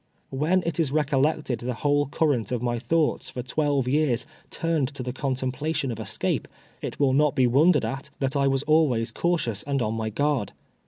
When it is recollected the whole current of my thoughts, for twelve years, turned to the contemplation of escape, it will not be wondered at, that I was always cautious and on my guard.